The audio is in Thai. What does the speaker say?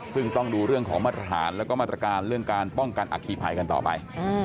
ซึ่งต้องดูเรื่องของมาตรฐานแล้วก็มาตรการเรื่องการป้องกันอัคคีภัยกันต่อไป